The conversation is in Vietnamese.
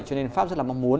cho nên pháp rất là mong muốn